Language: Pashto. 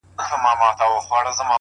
زړه مي د اشنا په لاس کي وليدی _